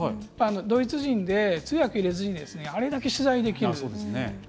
ドイツ人で、通訳入れずにあれだけ取材できる。